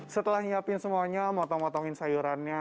setelah nyiapin semuanya motong motongin sayurannya